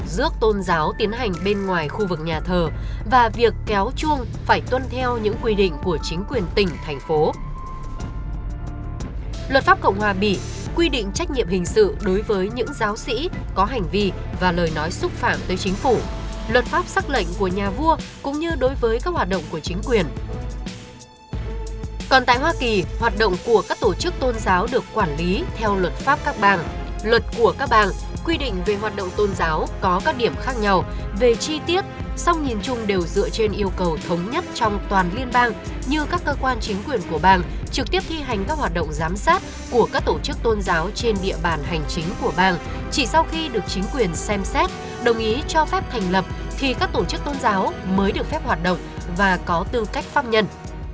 đồng ý cho phép thành lập thì các tổ chức tôn giáo mới được phép hoạt động và có tư cách phong nhân